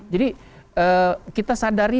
jadi kita sadari